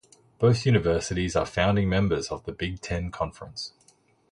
Both universities are founding members of the Big Ten Conference.